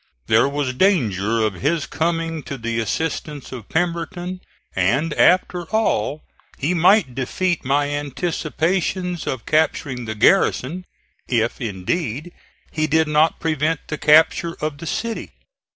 There was danger of his coming to the assistance of Pemberton, and after all he might defeat my anticipations of capturing the garrison if, indeed, he did not prevent the capture of the city.